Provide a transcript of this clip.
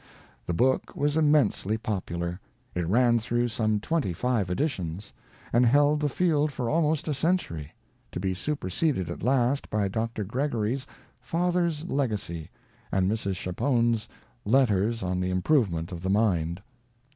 The book was immensely popular ; it ran through some twenty five editions, and held the field for almost a century, to be superseded at last by Dr. Gregory's Father's Legacy and Mrs. Chapone's Letters on the Improve ment of the Mind.